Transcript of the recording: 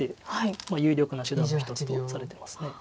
有力な手段の一つとされてます。